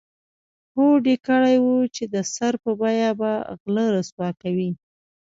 هوډ یې کړی و چې د سر په بیه به غله رسوا کوي.